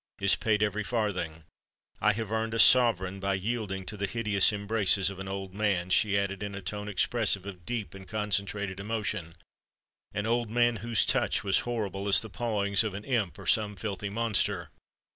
"Is paid every farthing. I have earned a sovereign by yielding to the hideous embraces of an old man," she added in a tone expressive of deep and concentrated emotion,—"an old man whose touch was horrible as the pawings of an imp or some filthy monster.